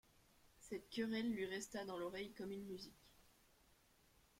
Cette querelle lui resta dans l’oreille comme une musique.